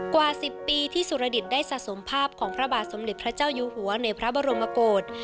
กว่า๑๐ปีที่สุรดิตได้สะสมภาพของพระบาทสมเด็จพระเจ้าอยู่หัวในพระบรมโกศ